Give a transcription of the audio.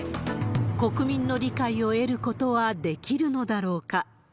国民の理解を得ることはできるのだろうか。